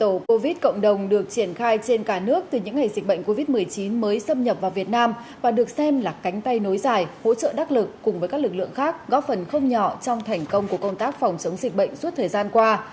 dịch covid cộng đồng được triển khai trên cả nước từ những ngày dịch bệnh covid một mươi chín mới xâm nhập vào việt nam và được xem là cánh tay nối dài hỗ trợ đắc lực cùng với các lực lượng khác góp phần không nhỏ trong thành công của công tác phòng chống dịch bệnh suốt thời gian qua